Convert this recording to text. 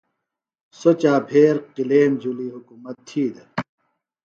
سوۡ چاپھیر قِلیم جُھلیۡ حُکومت تھی دےۡ